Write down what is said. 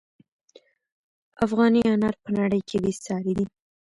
افغاني انار په نړۍ کې بې ساري دي.